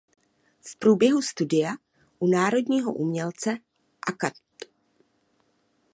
V průběhu studia u národního umělce akad.